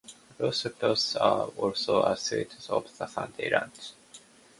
Roast potatoes are also a staple of the Sunday lunch.